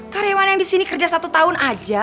karyawan yang disini kerja satu tahun aja